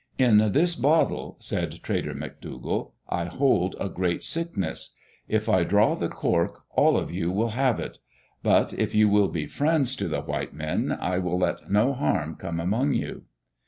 "In this bottle," said trader McDougall, "I hold a greal: sickness. If I draw the cork, all of you will have it. But if you will be friends to the white men, I will let no harm come among you.